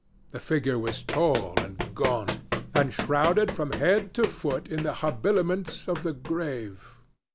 The figure was tall and gaunt, and shrouded from head to foot in the habiliments of the grave.